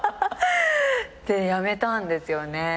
でやめたんですよね。